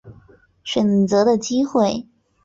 选择的机会